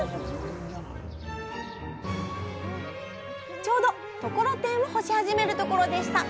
ちょうどところてんを干し始めるところでした。